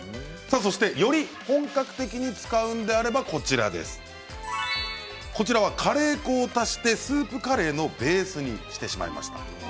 より本格的に使うのであればカレー粉を足してスープカレーのベースにしてしまいました。